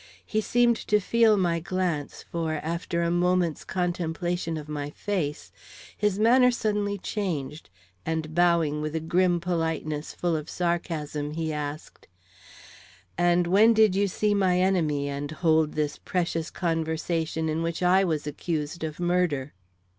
He seemed to feel my glance, for, after a moment's contemplation of my face, his manner suddenly changed, and bowing with a grim politeness full of sarcasm, he asked: "And when did you see my enemy and hold this precious conversation in which I was accused of murder?"